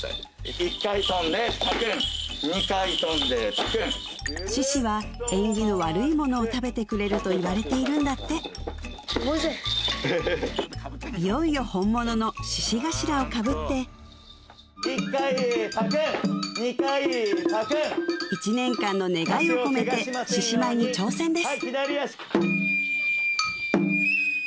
１回跳んでぱくん２回跳んでぱくん獅子は縁起の悪いものを食べてくれるといわれているんだっていよいよ本物の獅子頭をかぶって１回ぱくん２回ぱくん１年間の願いを込めて獅子舞に挑戦です